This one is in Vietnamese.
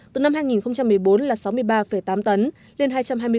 từ năm hai nghìn một mươi bốn là sáu mươi ba tám tấn